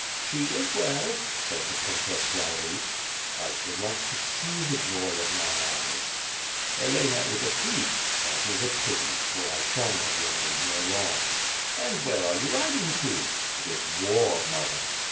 "She is well," said the princess dryly. "I should like to see the joy of my eyes." 15 225 226 ft"^^^ ^'^^^^^^ SWOJtt). "Helena is asleep." "That is a pity, for I shall not remain here long." "And where are you riding to?" "It is war mother!